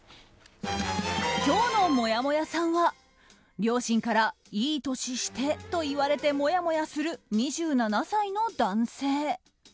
今日のもやもやさんは両親からいい年してと言われてもやもやする２７歳の男性。